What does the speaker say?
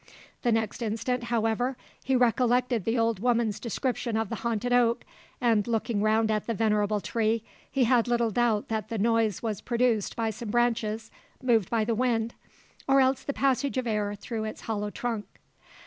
The next instant, however, he recollected the old woman's description of the haunted oak, and, looking round at the venerable tree, he had little doubt that the noise was produced by some branches moved by the wind, or else the passage of air through its hollow trunk.